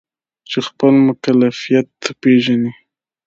چې خپل مکلفیت پیژني.